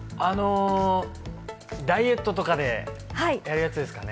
ダイエットとかでやるやつですかね？